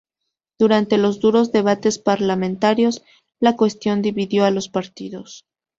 Durante los duros debates parlamentarios, la cuestión dividió a los partidos.